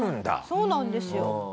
そうなんですよ。